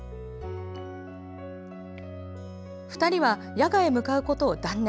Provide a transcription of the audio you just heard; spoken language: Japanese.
２人は、谷峨へ向かうことを断念。